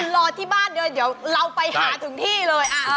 รอที่บ้านเดี๋ยวเราไปหาถึงที่เลย